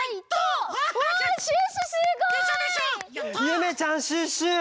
ゆめちゃんシュッシュ！